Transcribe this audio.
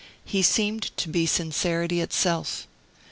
He seemed to be sincerity itself.